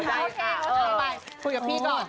คุยกับพี่ก่อน